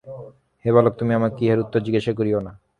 হে বালক, তুমি আমাকে ইহার উত্তর জিজ্ঞাসা করিও না।